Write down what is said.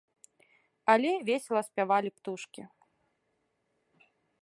Але весела спявалі птушкі.